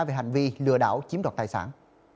về hành vi lừa đảo chiếm đọt tài sản